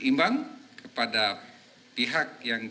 hal ini merupakan upaya kpk untuk memperkuatkan keuangan negara